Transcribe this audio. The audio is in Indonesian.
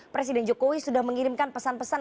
presiden jokowi sudah mengirimkan pesan pesan